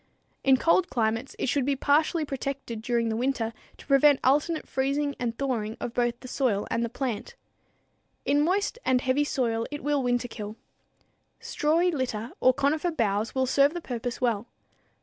In cold climates it should be partially protected during the winter to prevent alternate freezing and thawing of both the soil and the plant. In moist and heavy soil it will winterkill. Strawy litter or conifer boughs will serve the purpose well.